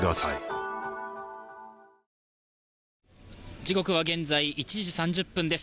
時刻は現在１時３０分です。